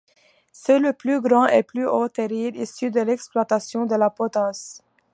C'est le plus grand et plus haut terril issu de l'exploitation de la potasse.